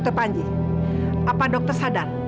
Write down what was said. ke panji apa dokter sadar